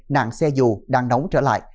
nạn xe dụ đang nóng trở lại